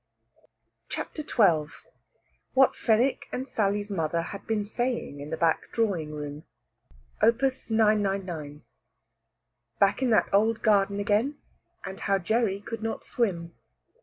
CHAPTER XII WHAT FENWICK AND SALLY'S MOTHER HAD BEEN SAYING IN THE BACK DRAWING ROOM. OP. 999. BACK IN THAT OLD GARDEN AGAIN, AND HOW GERRY COULD NOT SWIM.